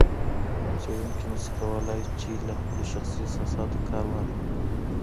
څېړونکی نسي کولای چي له خپلو شخصي احساساتو کار واخلي.